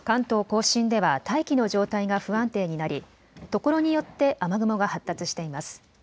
甲信では大気の状態が不安定になり、ところによって雨雲が発達しています。